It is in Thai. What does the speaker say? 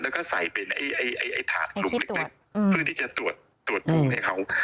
แล้วก็ใส่เป็นทารกลุ้มนึกเพื่อจะตรวจภูมิให้เขา